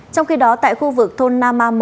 trong khi đó tại khu vực thôn nama một